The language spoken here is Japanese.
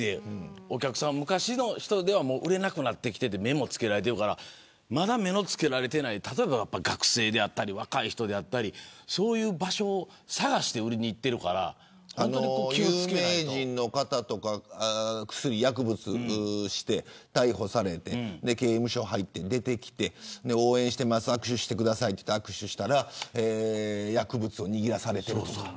お客さん昔の人には売れなくなってきてて目も付けられているからまだ目も付けられていない学生や若い人そういう場所を探して売りにいってるから有名人の方とか薬物をして、逮捕されて刑務所に入って、出てきて応援してます、握手してくださいと言って握手したら薬物を握らされてるとか。